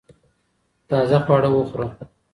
تازه خواړه وخوره